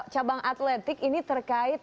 cabang atletik ini terkait